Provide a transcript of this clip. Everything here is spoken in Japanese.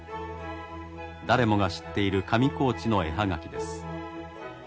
誰もが知っている上高地の絵葉書です。